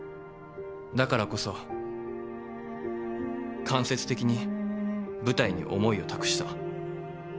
だからこそ間接的に舞台に思いを託した。